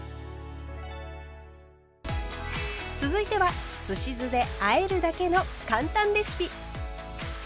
続いてはすし酢であえるだけの簡単レシピ。